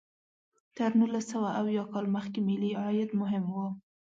تر نولس سوه اویا کال مخکې ملي عاید مهم و.